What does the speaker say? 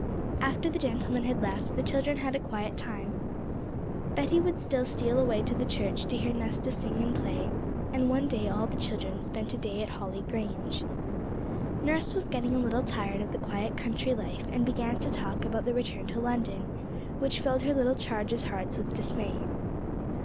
After the gentlemen had left, the children had a quiet time. Betty would still steal away to the church to hear Nesta sing and play; and one day all the children spent a day at Holly Grange. Nurse was getting a little tired of the quiet country life, and began to talk about the return to London, which filled her little charges' hearts with dismay.